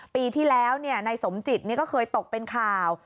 ปีที่แล้วนายสมจิตก็เคยตกเป็นข่าว